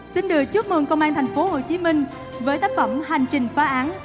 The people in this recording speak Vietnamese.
xin được chúc mừng công an thành phố hồ chí minh với tác phẩm hành trình phá án